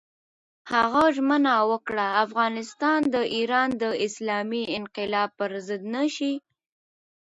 هغه ژمنه وکړه، افغانستان د ایران د اسلامي انقلاب پر ضد نه شي.